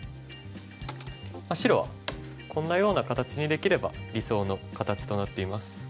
白はこんなような形にできれば理想の形となっています。